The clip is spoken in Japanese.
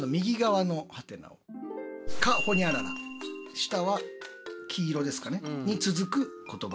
下は黄色ですかねに続く言葉。